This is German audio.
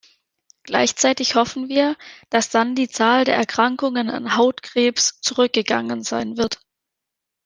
Gleichzeitig hoffen wir, dass dann die Zahl der Erkrankungen an Hautkrebs zurückgegangen sein wird.